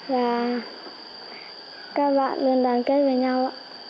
và các bạn luôn đoàn kết với nhau